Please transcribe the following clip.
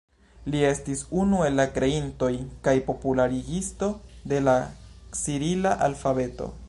Li estis unu el la kreintoj kaj popularigisto de la cirila alfabeto.